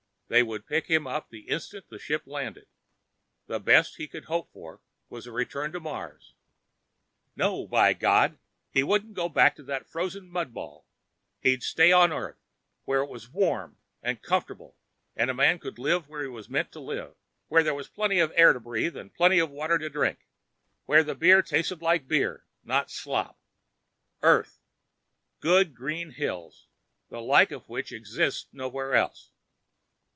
They would pick him up the instant the ship landed. And the best he could hope for was a return to Mars. No, by God! He wouldn't go back to that frozen mud ball! He'd stay on Earth, where it was warm and comfortable and a man could live where he was meant to live. Where there was plenty of air to breathe and plenty of water to drink. Where the beer tasted like beer and not like slop. Earth. Good green hills, the like of which exists nowhere else.